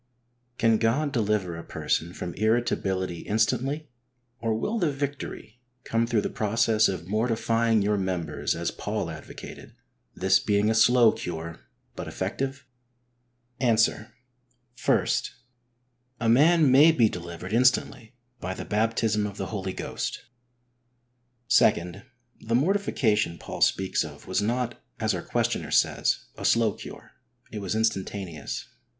Can God deliver a person from irritability instantly, or will the victory come through the process of mortifying your members, as Paul advocated, this being a slow cure, but effective ? Answer : (i.) A man may be delivered instantly by the baptism of the Holy Ghost. (2.) The mortification Paul speaks of was not, as our questioner says, a slow cure, it was instantaneous.